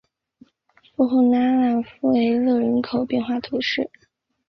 富后拉讷夫维勒人口变化图示